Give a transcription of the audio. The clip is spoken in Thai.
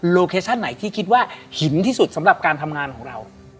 เคชั่นไหนที่คิดว่าหินที่สุดสำหรับการทำงานของเรา